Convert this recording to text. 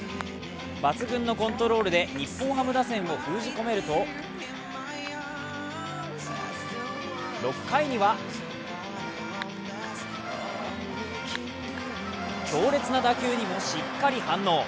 抜群のコントールで日本ハム打線を封じ込めると、６回には強烈な打球にもしっかり反応。